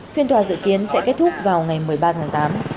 phiên tòa dự kiến sẽ kết thúc vào ngày một mươi ba tháng tám